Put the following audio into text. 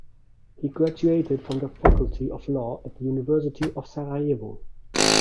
He graduated from the Faculty of Law at the University of Sarajevo.